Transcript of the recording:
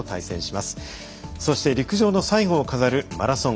そして陸上の最後を飾るマラソン。